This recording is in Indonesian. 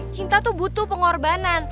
cinta tuh butuh pengorbanan